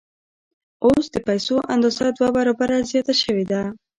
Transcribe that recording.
اوس د پیسو اندازه دوه برابره زیاته شوې ده